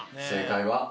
正解は。